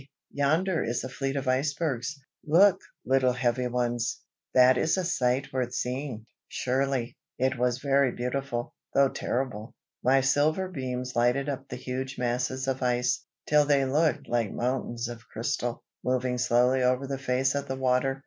yonder is a fleet of icebergs. Look, little Heavyones! that is a sight worth seeing." Surely, it was very beautiful, though terrible. My silver beams lighted up the huge masses of ice, till they looked like mountains of crystal, moving slowly over the face of the water.